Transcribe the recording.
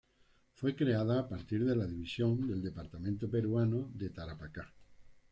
Fue creada a partir de la división del departamento peruano de Tarapacá.